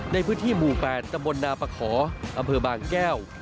ในพื้นที่หมู่๘ตำบลนาปะขออำเภอบางแก้ว